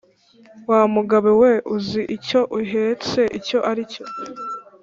Wa mugabo we uzi icyo uhetse icyo ari cyo,